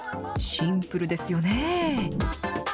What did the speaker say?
シンプルですよね。